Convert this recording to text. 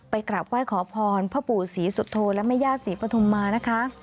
กลับไหว้ขอพรพ่อปู่ศรีสุโธและแม่ญาติศรีปฐุมมานะคะ